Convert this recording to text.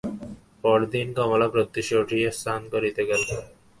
পরদিন কমলা প্রত্যুষে উঠিয়া স্নান করিতে গেল।